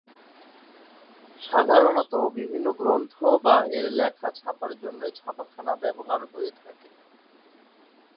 সাধারণত বিভিন্ন গ্রন্থ বা এর লেখা ছাপার জন্যই ছাপাখানা ব্যবহার হয়ে থাকে।